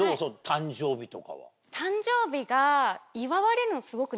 誕生日とかは。